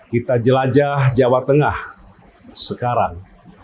kita jelajah jawa tengah sekarang